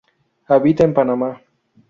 Habita en Panamá.